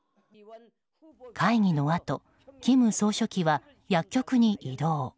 会議のあと金総書記は薬局に移動。